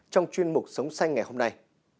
trong chuyên mục sống xanh ngày hôm nay